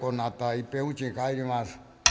いっぺんうちに帰ります」。